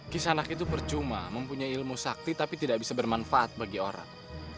kisah anak itu percuma mempunyai ilmu sakti tapi tidak bisa bermanfaat bagi orang